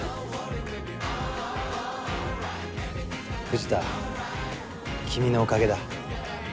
藤田君のおかげだ。